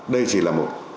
đây chỉ là một